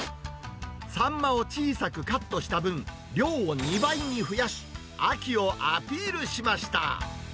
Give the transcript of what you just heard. サンマを小さくカットした分、量を２倍に増やし、秋をアピールしました。